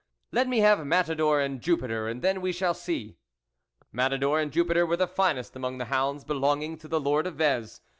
" Let me have Matador and Jupiter, and then we shall see." Matador and Jupiter were the finest among the hounds belonging to the Lord of Vez.